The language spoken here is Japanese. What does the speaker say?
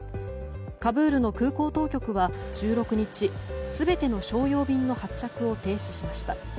カブールの空港当局は１６日全ての商用便の発着を停止しました。